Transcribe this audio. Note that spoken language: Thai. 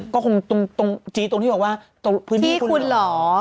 ก็คงตรงจี๊ตรงที่บอกว่าตรงพื้นที่คุณเหรอ